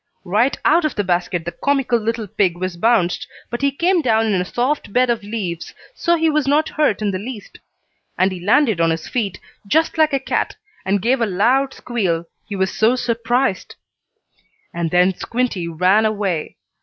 Right out of the basket the comical little pig was bounced, but he came down in a soft bed of leaves, so he was not hurt in the least. He landed on his feet, just like a cat, and gave a loud squeal, he was so surprised. And then Squinty ran away.